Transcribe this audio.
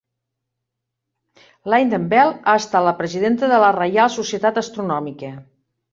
Lynden-Bell ha estat la presidenta de la Reial Societat Astronòmica.